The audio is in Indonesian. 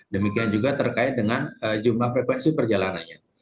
demikian juga terkait dengan jumlah frekuensi perjalanannya